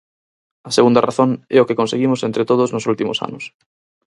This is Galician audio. A segunda razón é o que conseguimos entre todos nos últimos anos.